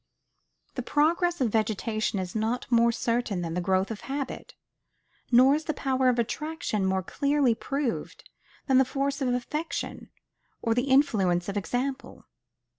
The progress of vegetation is not more certain than the growth of habit; nor is the power of attraction more clearly proved than the force of affection or the influence of example.